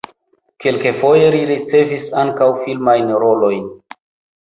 Kelkfoje li ricevis ankaŭ filmajn rolojn.